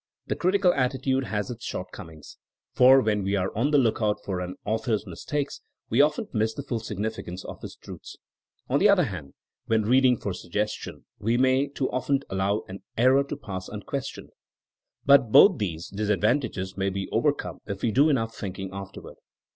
The critical atti tude has its shortcomings, for when we are on the lookout for an author's mistakes we often miss the full significance of his truths. On the other hand when '* reading for suggestion*' we may too often allow an error to pass unques tioned. But both these disadvantages may be overcome if we do enough thinking afterward.